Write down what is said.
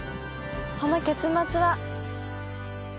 その結末は。